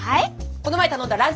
この前頼んだランチ